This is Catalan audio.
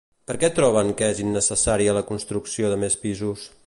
Per què troben que és innecessària la construcció de més pisos?